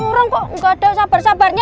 orang kok gak ada sabar sabarnya